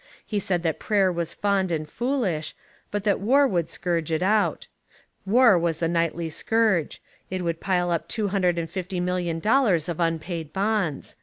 He said that prayer 90 Literature and Education in America was fond and foolish, but that war would scourge It out. War was a nightly scourge. It would pile up two hundred and fifty million dollars of unpaid bonds.